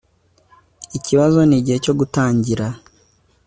Ikibazo nigihe cyo gutangira